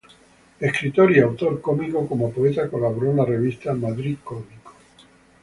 Escritor y autor cómico, como poeta colaboró en la revista "Madrid Cómico".